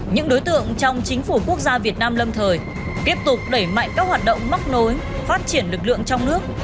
những đối tượng trong chính phủ quốc gia việt nam lâm thời tiếp tục đẩy mạnh các hoạt động mắc nối phát triển lực lượng trong nước